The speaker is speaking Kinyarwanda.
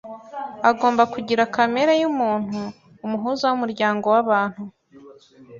agomba kugira kamere y’umuntu, umuhuza w’umuryango w’abantu;